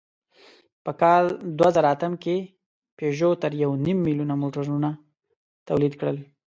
په کال دوهزرهاتم کې پيژو تر یونیم میلیونه موټرونه تولید کړل.